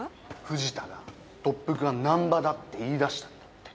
藤田が特服が難破だって言いだしたんだって。